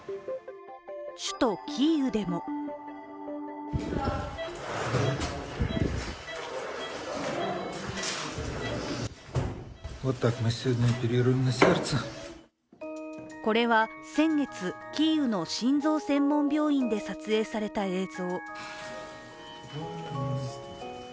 首都キーウでもこれは先月キーウの心臓専門病院で撮影された映像。